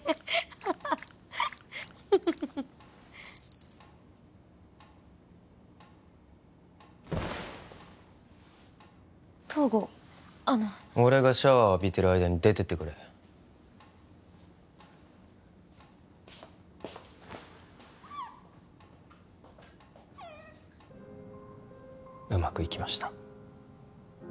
ハハ東郷あの俺がシャワーを浴びてる間に出てってくれうまくいきました